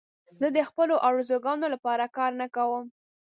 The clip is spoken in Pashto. زه د خپلو آرزوګانو لپاره کار نه کوم.